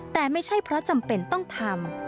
แต่ไม่ใช่เพราะจำเป็นต้องทำ